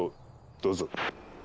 どうぞ。